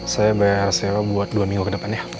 saya bayar sewa buat dua minggu ke depan ya